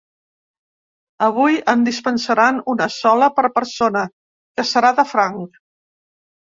Avui en dispensaran una sola per persona, que serà de franc.